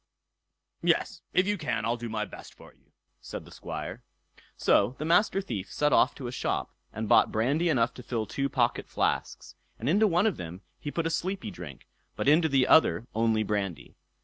"Yes, if you can, I'll do my best for you", said the Squire. So the Master Thief set off to a shop, and bought brandy enough to fill two pocket flasks, and into one of them he put a sleepy drink, but into the other only brandy.